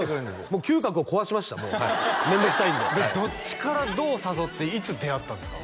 もう嗅覚を壊しました面倒くさいんでどっちからどう誘っていつ出会ったんですか？